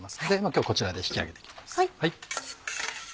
今日はこちらで引き上げて行きます。